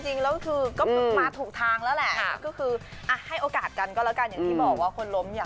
เจ้าทุกข์ต่างรอกันนิดนึงแล้วกันนะ